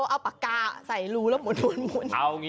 เอาปากกาใส่รูแล้วหมุน